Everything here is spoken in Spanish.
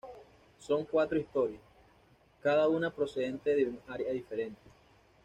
Son cuatro historias, cada una procedente de un área diferente.